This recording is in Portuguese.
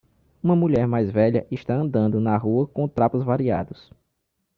Uma mulher mais velha está andando na rua com trapos variados.